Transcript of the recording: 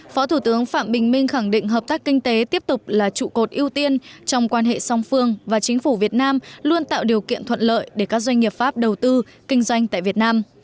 phó thủ tướng phạm bình minh khẳng định hợp tác kinh tế tiếp tục là trụ cột ưu tiên trong quan hệ song phương và chính phủ việt nam luôn tạo điều kiện thuận lợi để các doanh nghiệp pháp đầu tư kinh doanh tại việt nam